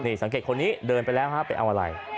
นี่สังเกตคนนี้เดินไปแล้วฮะไปเอาอะไร